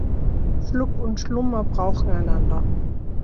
Schluck und Schlummer brauchen einander.